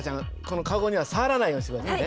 このカゴには触らないようにして下さいね。